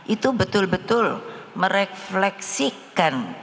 itu betul betul merefleksikan